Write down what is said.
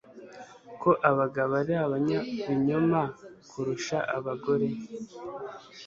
ko abagabo ari abanyabinyoma kurusha abagore